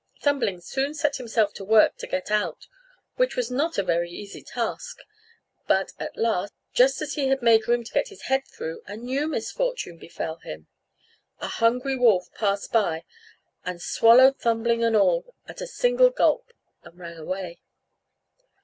Thumbling soon set himself to work to get out, which was not a very easy task; but at last, just as he had made room to get his head through, a new misfortune befell him: a hungry wolf passed by and swallowed Thumbling and all, at a single gulp, and ran away.